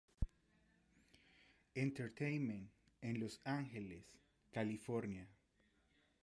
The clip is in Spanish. Entertainment" en Los Ángeles, California.